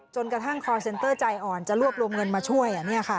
กระทั่งคอร์เซ็นเตอร์ใจอ่อนจะรวบรวมเงินมาช่วย